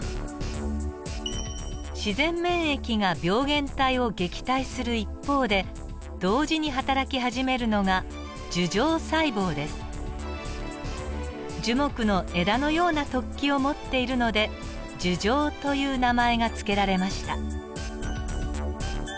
自然免疫が病原体を撃退する一方で同時にはたらき始めるのが樹木の枝のような突起を持っているので「樹状」という名前が付けられました。